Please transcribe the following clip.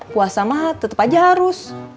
puasa mah tetap aja harus